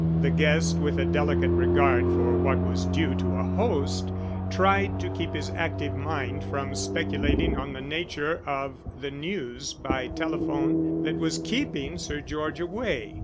The guest, with a delicate regard for what was due to a host, tried to keep his active mind from speculating on the nature of the news by telephone that was keeping Sir George away.